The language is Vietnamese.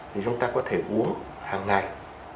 thì chúng ta có thể uống hàng ngày